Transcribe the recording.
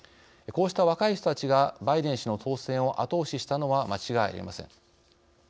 こうした若い人たちがバイデン氏の当選を後押ししたのは間違いありません。